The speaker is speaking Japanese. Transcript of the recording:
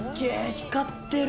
光ってる！